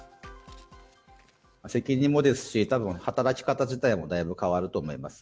責任もですし、たぶん働き方自体もだいぶ変わると思います。